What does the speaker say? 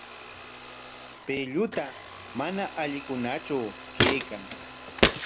Pay lluta mana allikunatraw kaykan.